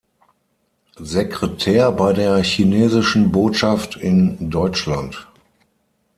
Sekretär bei der chinesischen Botschaft in Deutschland.